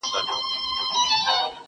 o اوښه، هر څه دي بې هوښه٫